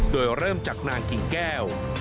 โดยเริ่มจากนางกิ่งแก้ว